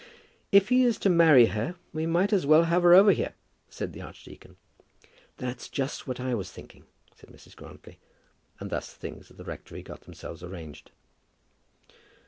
"If he is to marry her, we might as well have her over here," said the archdeacon. "That's just what I was thinking," said Mrs. Grantly. And thus things at the rectory got themselves arranged.